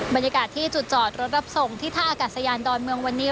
บรรยากาศที่จุดจอดรถรับส่งที่ท่าอากาศยานดอนเมืองวันนี้